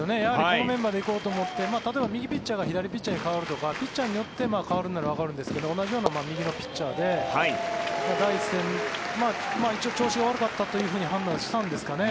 このメンバーで行こうと思って例えば右ピッチャーが左ピッチャーに代わるとかピッチャーによって代わるならわかるんですけど同じような右のピッチャーで第１戦一応、調子が悪かったと判断したんですかね。